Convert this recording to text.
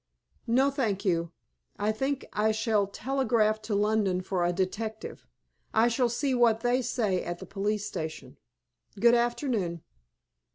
"No, thank you. I think I shall telegraph to London for a detective. I shall see what they say at the police station. Good afternoon."